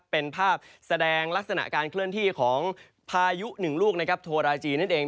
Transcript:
เป็นภาพแสดงลักษณะการเคลื่อนที่ของพายุ๑ลูกโทราจีนั่นเอง